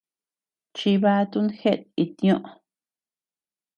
Chivatun jeʼet itñoʼo.